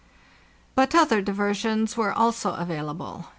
3ut other diversions were also available.